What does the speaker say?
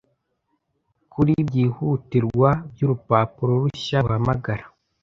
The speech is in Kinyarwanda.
kuri byihutirwa byurupapuro rushya ruhamagara;